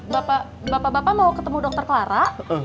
bapak bapak mau ketemu dokter clara